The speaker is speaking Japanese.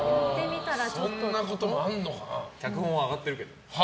脚本は上がってるけど。